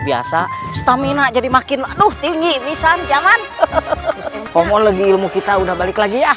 biasa stamina jadi makin aduh tinggi bisa jangan homologi ilmu kita udah balik lagi ya